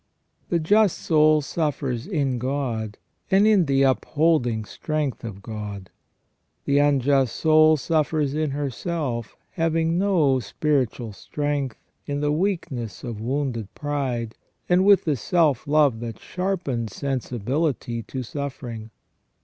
The just soul suffers in God, and in the upholding strength of God. The unjust soul suffers in herself, having no spiritual strength, in the weakness of wounded pride, and with the self love that sharpens sensibility to suffering.